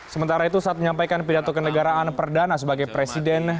sementara itu saat menyampaikan pidato kenegaraan perdana sebagai presiden